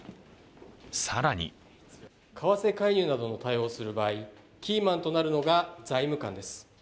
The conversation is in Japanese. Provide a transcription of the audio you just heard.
更に為替介入などの対応をする場合、キーマンとなるのが財務官です。